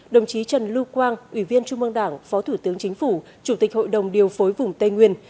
đồng chí trần lưu quang ủy viên trung mương đảng phó thủ tướng chính phủ chủ tịch hội đồng điều phối vùng tây nguyên